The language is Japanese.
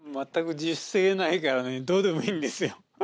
全く自主性ないからねどうでもいいんですよ。